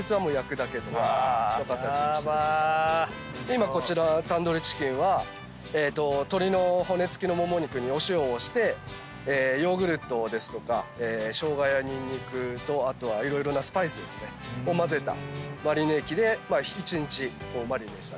今こちらタンドリーチキンは鶏の骨付きのもも肉にお塩をしてヨーグルトですとかショウガやにんにくとあとは色々なスパイスを混ぜたマリネ液で一日マリネした。